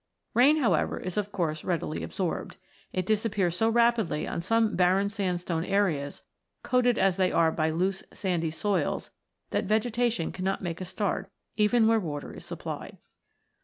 Rain, however, is of course readily absorbed. It disappears so rapidly on some barren sandstone areas, coated as they are by loose sandy soils, that vegetation cannot make a start, even where water is supplied.